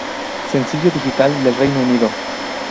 Sencillo digital del Reino Unido